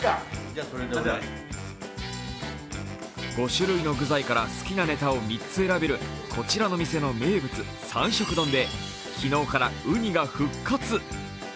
５種類の具材から好きなねたを３つ選べる、こちらの店の名物・３食丼で昨日からうにが復活。